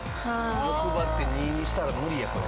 欲張って２にしたら無理やこれ。